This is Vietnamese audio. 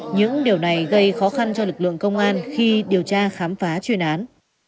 những điều này gây khó khăn cho lực lượng công an khi điều tra khám phá chuyên án